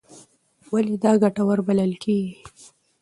ولې دا ګټور بلل کېږي؟